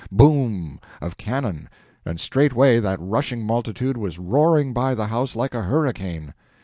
—boom! of cannon, and straightway that rushing multitude was roaring by the house like a hurricane.